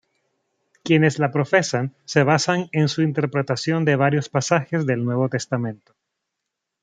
Quienes la profesan se basan en su interpretación de varios pasajes del Nuevo Testamento.